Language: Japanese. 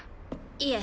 いえ。